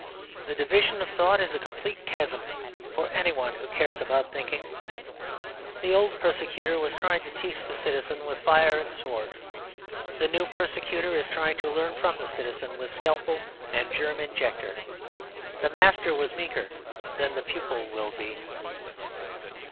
The division of thought is a complete chasm for anyone who cares about thinking. The old persecutor was trying to teach the citizen, with fire and sword. The new persecutor is trying to learn from the citizen, with scalpel and germ injector. The master was meeker than the pupil will be.